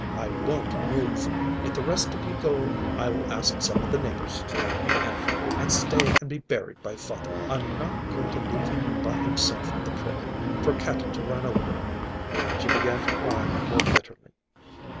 I won't move! If the rest of you go, I will ask some of the neighbors to take me in, and stay and be buried by father. I'm not going to leave him by himself on the prairie, for cattle to run over." She began to cry more bitterly.